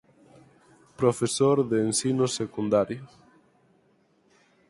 Profesor de ensino secundario.